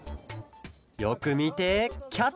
よくみてキャッチ！